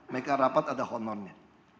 mereka rapat ada honornya